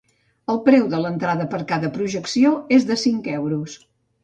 El preu de l’entrada per a cada projecció és de cinc euros.